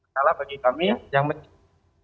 salah bagi kami yang penting